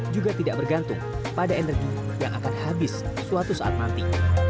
juga tidak bergantung pada energi yang akan habis suatu saat nanti